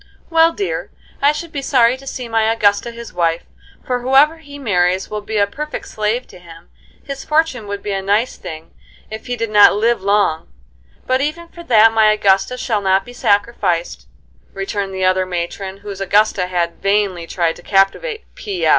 "Well, dear, I should be sorry to see my Augusta his wife, for whoever he marries will be a perfect slave to him. His fortune would be a nice thing if he did not live long; but even for that my Augusta shall not be sacrificed," returned the other matron whose Augusta had vainly tried to captivate "P.